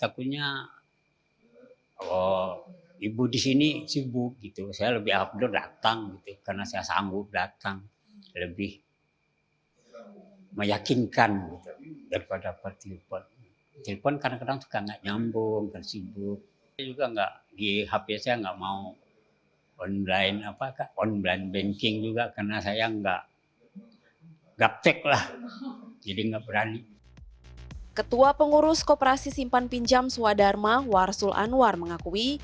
ketua pengurus koperasi simpan pinjam suadharma warsul anwar mengakui